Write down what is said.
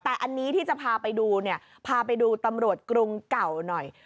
แต่อันนี้ที่จะพาไปดูเนี่ยพาไปดูตำรวจกรุงเก่าหน่อย